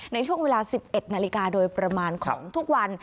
ในช่วงเวลา๑๑นาฬิกาโดยประมาณของทุกวัน